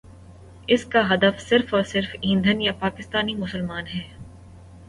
اس کا ہدف صرف اور صرف انڈین یا پاکستانی مسلمان ہیں۔